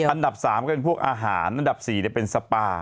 อันดับ๓ก็เป็นพวกอาหารอันดับ๔เป็นสปา